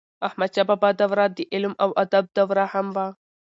احمدشاه بابا دوره د علم او ادب دوره هم وه.